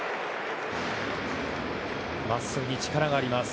まっすぐに力があります。